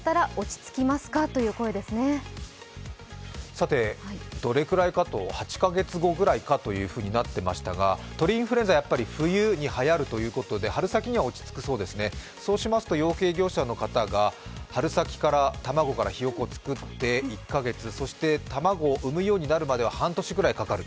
さて、どれくらいか、８か月後ぐらいかということになっていましたが、鳥インフルエンザ、冬にはやるということで、春先には落ち着くそうですね、そうしますと養鶏業者の方が春先から卵からひよこをつくって１か月、そして卵を産むようになるまでは半年ぐらいかかる。